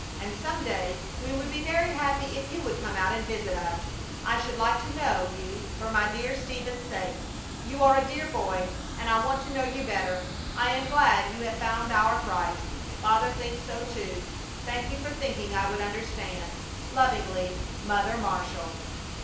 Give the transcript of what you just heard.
And some day we would be very happy if you would come out and visit us. I should like to know you for my dear Stephen's sake. You are a dear boy, and I want to know you better. I am glad you have found our Christ. Father thinks so too. Thank you for thinking I would understand. Lovingly, MOTHER MARSHALL.